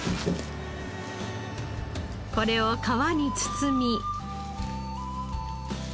これを皮に包み。